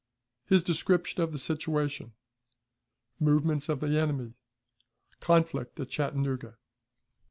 His Description of the Situation. Movements of the Enemy. Conflict at Chattanooga.